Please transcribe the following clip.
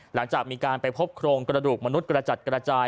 หลังจากมีการไปพบโครงกระดูกมนุษย์กระจัดกระจาย